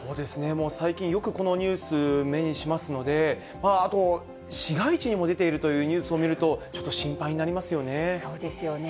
もう最近、よくこのニュース目にしますので、あと、市街地にも出ているというニュースを見ると、ちょっと心配になりそうですよね。